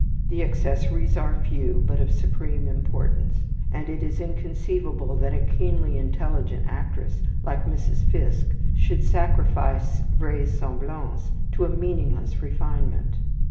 The accessories are few, but of supreme importance; and it is inconceivable that a keenly intelligent actress like Mrs. Fiske should sacrifice vraisemblance to a meaningless refinement.